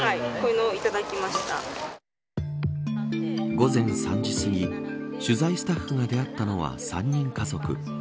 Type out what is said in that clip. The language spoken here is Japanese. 午前３時すぎ取材スタッフが出会ったのは３人家族。